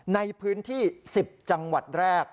ในพื้นที่๑๐จังหวัดแรก